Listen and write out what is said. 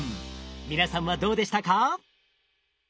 皆さんはどうでしたか？